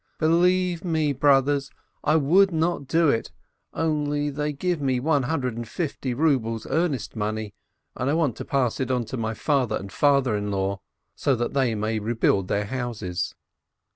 Believe me, broth ers, I would not do it, only they give me one hundred and fifty rubles earnest money, and I want to pass it on to my father and father in law, so that they may rebuild their houses.